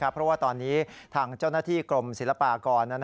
เพราะว่าตอนนี้ทางเจ้าหน้าที่กรมศิลปากร